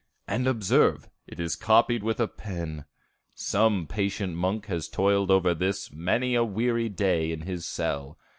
And observe, it is copied with a pen: some patient monk has toiled over this many a weary day in his cell.